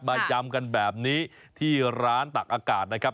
ยำกันแบบนี้ที่ร้านตักอากาศนะครับ